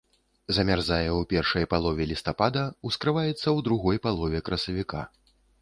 Замярзае ў першай палове лістапада, ускрываецца ў другой палове красавіка.